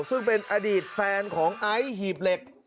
ซึ่งเป็นอดีตแฟนของไอซ์หีบเหล็ก